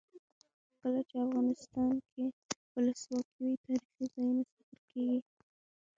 کله چې افغانستان کې ولسواکي وي تاریخي ځایونه ساتل کیږي.